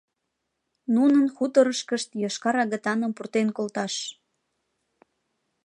— Нунын хуторышкышт йошкар агытаным пуртен колташ!